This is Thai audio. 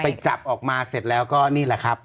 จับออกมาเสร็จแล้วก็นี่แหละครับ